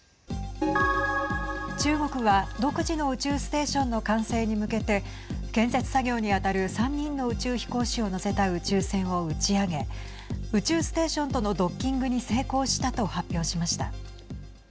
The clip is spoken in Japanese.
中国は独自の宇宙ステーションの完成に向けて、建設作業に当たる３人の宇宙飛行士を乗せた宇宙船を打ち上げ宇宙ステーションとのドッキングに成功したと発表しました。